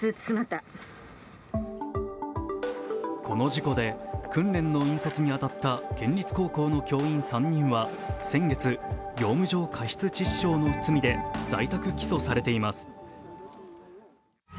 この事故で訓練の引率に当たった県立高校の教員３人は先月、業務上過失致死傷の罪で在宅起訴されています。